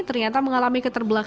ternyata mengalami keterbuncangan